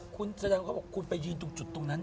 คุณแสดงว่าคุณไปยืนจุดตรงนั้น